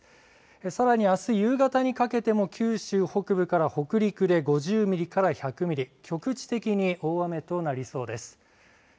さらにあす夕方にかけても九州北部から北陸で５０ミリから１００ミリ局地的に大雨となりそうです。